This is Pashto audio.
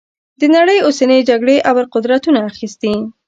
د نړۍ اوسنۍ جګړې ابرقدرتونو اخیستي.